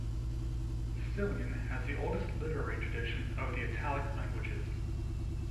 Sicilian has the oldest literary tradition of the Italic languages.